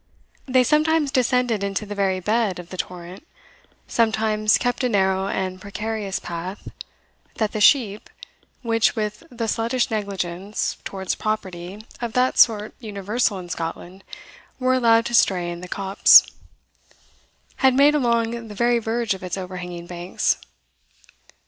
They sometimes descended into the very bed of the torrent, sometimes kept a narrow and precarious path, that the sheep (which, with the sluttish negligence towards property of that sort universal in Scotland, were allowed to stray in the copse) had made along the very verge of its overhanging banks.